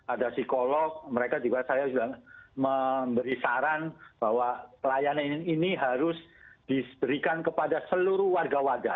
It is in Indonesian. ada psikolog mereka juga saya sudah memberi saran bahwa pelayanan ini harus diberikan kepada seluruh warga warga